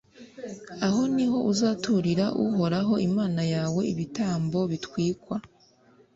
aho ni ho uzaturira uhoraho imana yawe ibitambo bitwikwa.